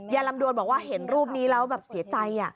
ลำดวนบอกว่าเห็นรูปนี้แล้วแบบเสียใจ